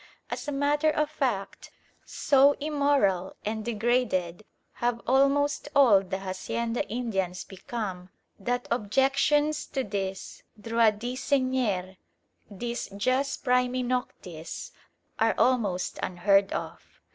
As a matter of fact, so immoral and degraded have almost all the hacienda Indians become, that objections to this droit du Seigneur, this Jus Primae Noctis, are almost unheard of.